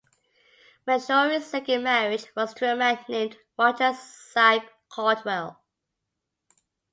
Marjorie's second marriage was to a man named Roger Sipe Caldwell.